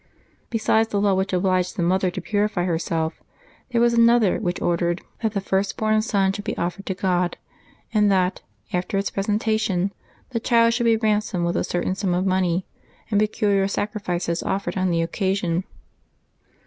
Besides the law which obliged the mother to purify herself, there was another which ordered that the 60 LIVES OF THE SAINTS [February 2 first born son should be offered to God, and that, after its presentation, the child should be ransomed with a certain sum of money, and peculiar sacrifices offered on the occa eion.